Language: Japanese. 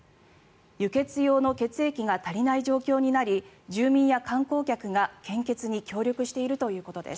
輸血用の血液が足りない状況になり住民や観光客が献血に協力しているということです。